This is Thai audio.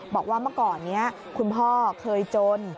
บอกว่าเมื่อก่อนนี้คุณพ่อเคยจน